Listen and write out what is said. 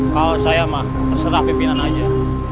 kalau saya mah terserah pimpinan aja